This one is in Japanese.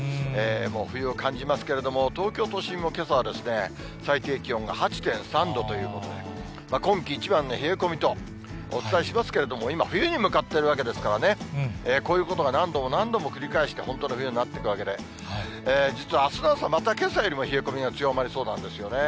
もう冬を感じますけれども、東京都心もけさは最低気温が８．３度ということで、今季一番の冷え込みとお伝えしますけれども、今、冬に向かってるわけですからね、こういうことが何度も何度も繰り返して、本当の冬になっていくわけで、実はあすの朝、またけさよりも冷え込みが強まりそうなんですよね。